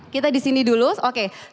kita disini dulu oke